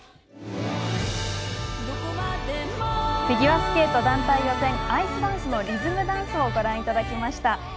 フィギュアスケート団体予選アイスダンスのリズムダンスをご覧いただきました。